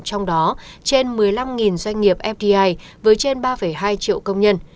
trong đó trên một mươi năm doanh nghiệp fdi với trên ba hai triệu công nhân